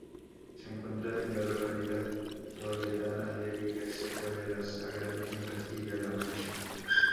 Se encuentra en la localidad toledana de Villaseca de la Sagra, en Castilla-La Mancha.